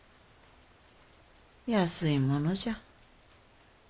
安いものじゃ。